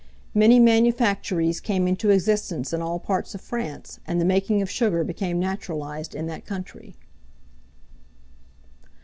Many manufactories came into existence in all parts of France, and the making of sugar became naturalized in that country.